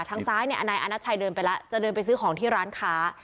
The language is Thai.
ทางซ้ายเนี่ยนายอาณัชชัยเดินไปแล้วจะเดินไปซื้อของที่ร้านค้า